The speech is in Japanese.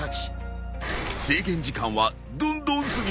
制限時間はどんどん過ぎていく。